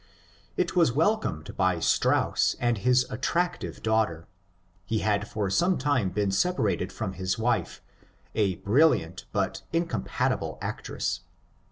I was wel comed by Strauss and his attractive daughter, — he had for some time been separated from his wife, a brilliant, but incompatible actress.